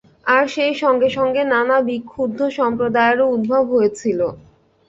আর সেই সঙ্গে সঙ্গে নানা বিক্ষুদ্ধ সম্প্রদায়েরও উদ্ভব হয়েছিল।